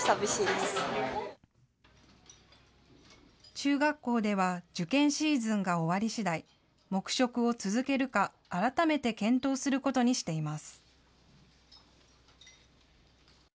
中学校では受験シーズンが終わりしだい黙食を続けるか改めて検討することにしています。